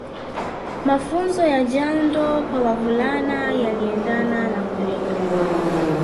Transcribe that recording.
Mafunzo ya jando kwa wavulana yaliendana na kutahiriwa